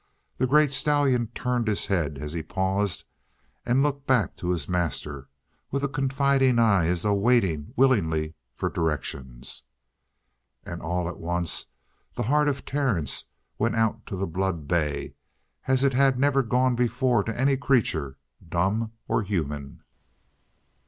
The great stallion turned his head as he paused and looked back to his master with a confiding eye as though waiting willingly for directions. And all at once the heart of Terence went out to the blood bay as it had never gone before to any creature, dumb or human.